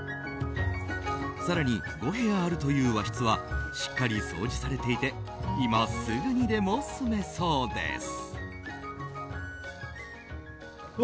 更に、５部屋あるという和室はしっかり掃除されていて今すぐにでも住めそうです。